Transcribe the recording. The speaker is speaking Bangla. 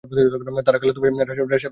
তার খালাতো ভাই রাজশাহী কলেজে পড়ে।